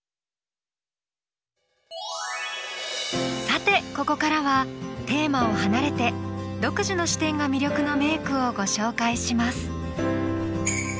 さてここからはテーマを離れて独自の視点が魅力の名句をご紹介します。